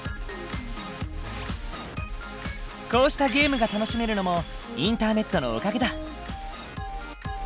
こうしたゲームが楽しめるのもインターネットのおかげだ。